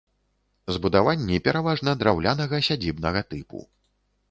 Збудаванні пераважна драўлянага сядзібнага тыпу.